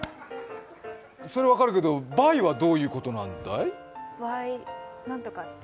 それは分かるんだけど、バイはどういうことなんだい？